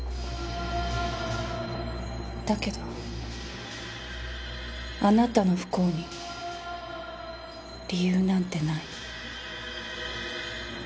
だけどあなたの不幸に理由なんてない。